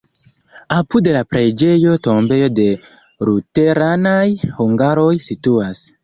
Apud la preĝejo tombejo de luteranaj hungaroj situas.